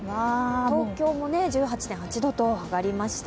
東京も１８．８度と上がりました。